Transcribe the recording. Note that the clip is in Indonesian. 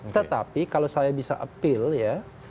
tetapi kalau saya bisa appeal ya